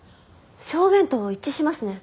証言と一致しますね。